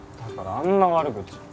あんな悪口